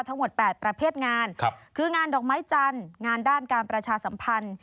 ทั้งหมด๘ประเภทงานคืองานดอกไม้จันทร์งานด้านการประชาสัมพันธ์